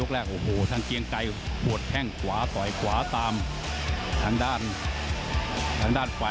แล้วที่สำคัญที่สุดเนี่ย